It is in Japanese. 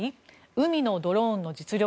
海のドローンの実力。